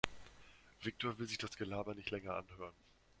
Viktor will sich das Gelaber nicht länger anhören.